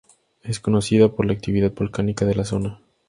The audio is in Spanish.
Es conocida por la actividad volcánica de la zona.